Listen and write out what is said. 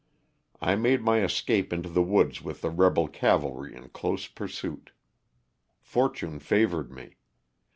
I made my escape into the woods with the rebel cavalry in close pursuit. Fortune favored me.